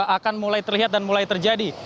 akan mulai terlihat dan mulai terjadi